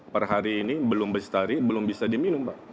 per hari ini belum bestari belum bisa diminum pak